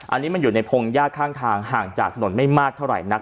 อันนี้มันอยู่ในพงยากข้างทางห่างจากถนนไม่มากเท่าไหร่นัก